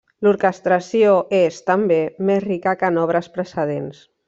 L'orquestració és, també, més rica que en obres precedents.